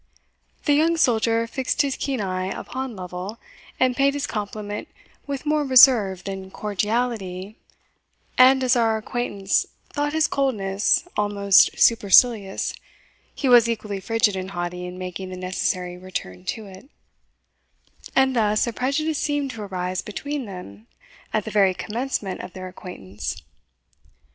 The young soldier fixed his keen eye upon Lovel, and paid his compliment with more reserve than cordiality and as our acquaintance thought his coldness almost supercilious, he was equally frigid and haughty in making the necessary return to it; and thus a prejudice seemed to arise between them at the very commencement of their acquaintance.